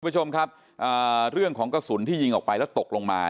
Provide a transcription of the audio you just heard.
คุณผู้ชมครับเรื่องของกระสุนที่ยิงออกไปแล้วตกลงมา